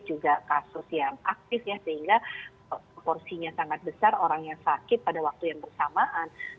juga kasus yang aktif ya sehingga porsinya sangat besar orang yang sakit pada waktu yang bersamaan